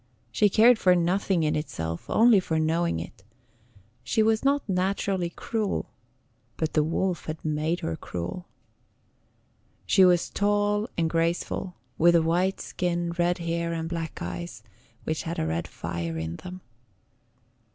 She cared for nothing in itself only for knowing it. She was not naturally cruel, but the wolf had made her cruel. She was tall and graceful, with a white skin, red hair, and black eyes, which had a red fire in them.